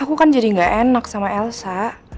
aku kan jadi gak enak sama elsa